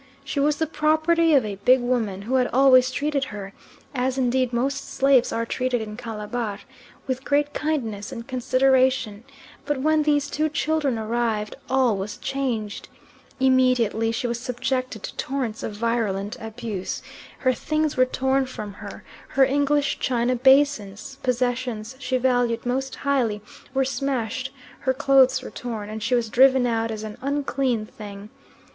She was the property of a big woman who had always treated her as indeed most slaves are treated in Calabar with great kindness and consideration, but when these two children arrived all was changed; immediately she was subjected to torrents of virulent abuse, her things were torn from her, her English china basins, possessions she valued most highly, were smashed, her clothes were torn, and she was driven out as an unclean thing.